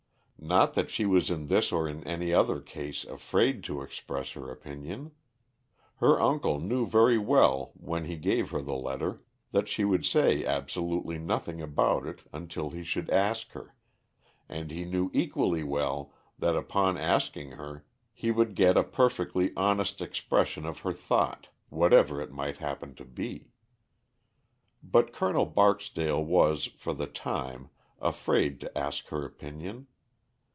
Not that she was in this or in any other case afraid to express her opinion. Her uncle knew very well when he gave her the letter that she would say absolutely nothing about it until he should ask her, and he knew equally well that upon asking her he would get a perfectly honest expression of her thought, whatever it might happen to be. But Colonel Barksdale was, for the time, afraid to ask her opinion.